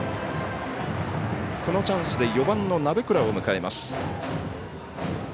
このチャンスで４番の鍋倉を迎えます。